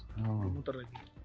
lalu dimutar lagi